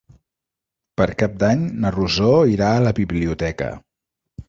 Per Cap d'Any na Rosó irà a la biblioteca.